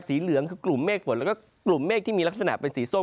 เหลืองคือกลุ่มเมฆฝนแล้วก็กลุ่มเมฆที่มีลักษณะเป็นสีส้ม